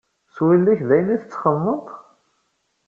S wul-ik d ayen i tettxemmeḍ?